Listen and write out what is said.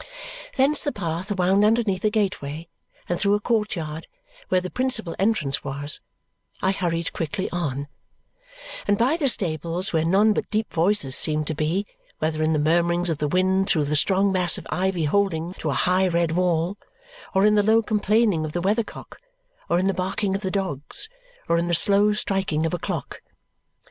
Thence the path wound underneath a gateway, and through a court yard where the principal entrance was (I hurried quickly on), and by the stables where none but deep voices seemed to be, whether in the murmuring of the wind through the strong mass of ivy holding to a high red wall, or in the low complaining of the weathercock, or in the barking of the dogs, or in the slow striking of a clock.